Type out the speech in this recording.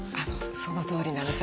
そのとおりなんです。